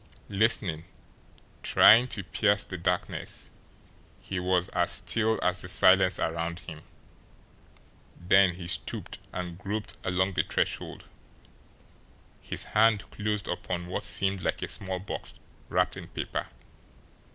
Listening, trying to pierce the darkness, he was as still as the silence around him; then he stooped and groped along the threshold. His hand closed upon what seemed like a small box wrapped in paper.